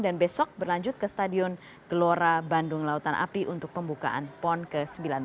dan besok berlanjut ke stadion gelora bandung lautan api untuk pembukaan pon ke sembilan belas